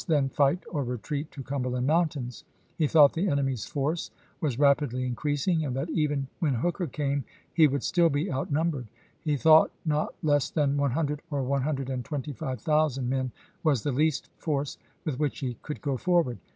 then fight or retreat to Cumberland Mountains; he thought the enemy's force was rapidly increas ing, and that even when Hooker came he would still be outnumbered; he thought not less than one hundred or one hundred and twenty five thou sand men was the least force with which he could go forward.